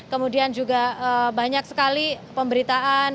kemudian juga banyak sekali pemberitaan